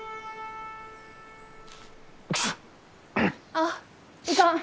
あっいかん！